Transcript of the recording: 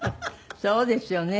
そうですよね。